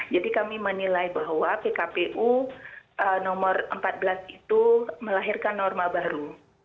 jadi kami menilai bahwa pkpu nomor empat belas itu melahirkan norma baru